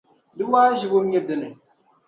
Di waaʒibu nye dini?